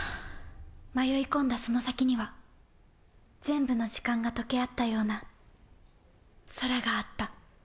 迷い込んだその先には、全部の時間がとけあったような、空があった。